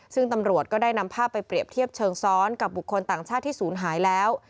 ซึ่งตำรวจก็ได้นำภาพไปเปรียบเทียบเชิงซ้อนกับบุคคลต่างชาติที่ศูนย์หายแล้ว